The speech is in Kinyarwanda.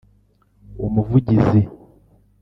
umuvugizi